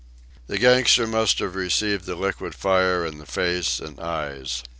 The gangster must have received the liquid fire in the face and eyes.